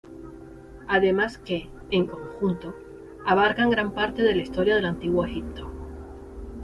Además que, en conjunto, abarcan gran parte de la historia del Antiguo Egipto.